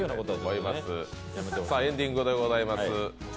エンディングでございます。